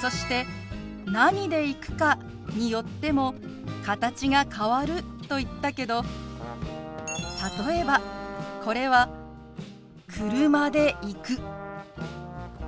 そして何で行くかによっても形が変わると言ったけど例えばこれは「車で行く」。